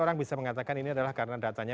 orang bisa mengatakan ini adalah karena datanya